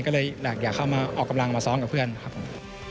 ก็เลยอยากเข้ามาออกกำลังมาซ้อมกับเพื่อนครับผม